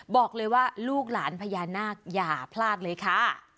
บอกเลยว่าลูกหลานพญานาคอย่าพลาดเลยค่ะ